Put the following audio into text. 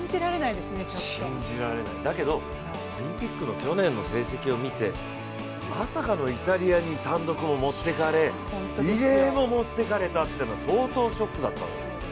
信じられない、だけどオリンピックの去年の成績を見てまさかのイタリアに単独も持ってかれ、リレーも持っていかれたというのは相当ショックだった。